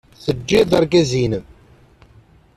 Teǧǧid argaz-nnem.